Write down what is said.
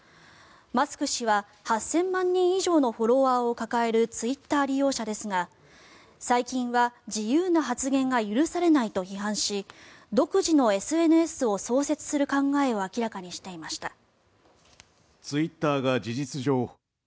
マスク氏は８０００万人以上のフォロワーを抱えるツイッター利用者ですが最近は自由な発言が許されないと批判し独自のＳＮＳを創設する考えを明らかにしていました。